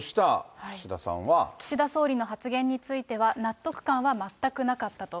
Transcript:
岸田総理の発言については、納得感は全くなかったと。